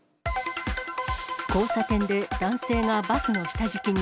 交差点で男性がバスの下敷きに。